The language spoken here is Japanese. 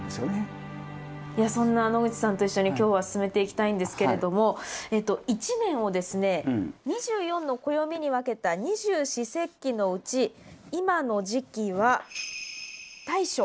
そんな野口さんと一緒に今日は進めていきたいんですけれども一年をですね２４の暦に分けた二十四節気のうち今の時期は大暑。